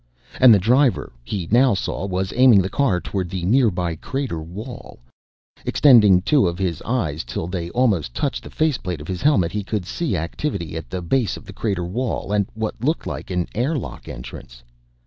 And the driver, he now saw, was aiming the car toward the nearby crater wall. Extending two of his eyes till they almost touched the face plate of his helmet, he could see activity at the base of the crater wall, and what looked like an air lock entrance.